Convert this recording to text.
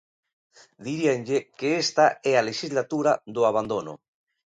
Diríanlle que esta é a lexislatura do abandono.